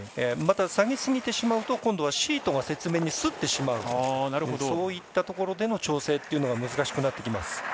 また、下げすぎると今度はシートが雪面にすってしまうのでそういったところで調整が難しくなってきます。